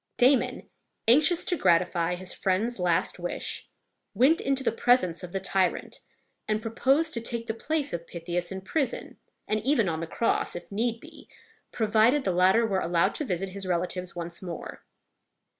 Damon, anxious to gratify his friend's last wish, went into the presence of the tyrant, and proposed to take the place of Pythias in prison, and even on the cross, if need be, provided the latter were allowed to visit his relatives once more.